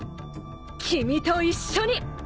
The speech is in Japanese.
君と一緒に！